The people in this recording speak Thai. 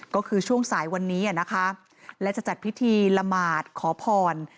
ก็คือช่วงสายวันนี้นะคะและจะจัดพิธีละหมาดขอพร